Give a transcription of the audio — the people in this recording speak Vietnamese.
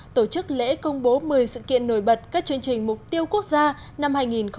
tổ chức lễ công bố một mươi sự kiện nổi bật các chương trình mục tiêu quốc gia năm hai nghìn một mươi chín